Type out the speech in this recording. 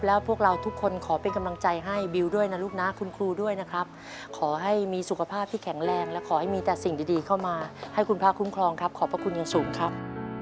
และขอให้มีสุขภาพที่แข็งแรงและขอให้มีแต่สิ่งดีเข้ามาให้คุณพระคุ้มครองครับขอบพระคุณยังสูงครับ